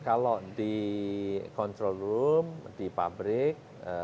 kalau di control room di pabrik